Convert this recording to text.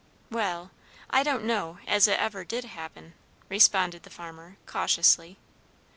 "Well, I don't know as it ever did happen," responded the farmer, cautiously.